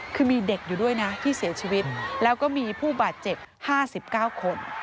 คือมีเด็กอยู่ด้วยนะที่เสียชีวิตแล้วก็มีผู้บาดเจ็บ๕๙คน